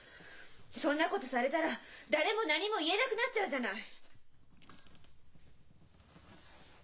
そんなことされたら誰も何も言えなくなっちゃうじゃない！